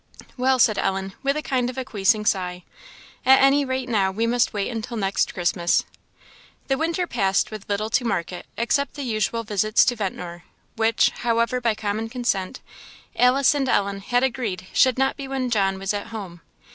"Well!" said Ellen, with a kind of acquiescing sigh, "at any rate now we must wait until next Christmas." The winter passed with little to mark it except the usual visits to Ventnor; which, however, by common consent, Alice and Ellen had agreed should not be when John was at home.